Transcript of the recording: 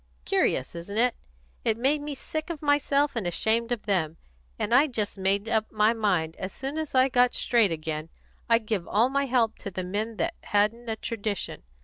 Curious, isn't it? It made me sick of myself and ashamed of them, and I just made up my mind, as soon as I got straight again, I'd give all my help to the men that hadn't a tradition.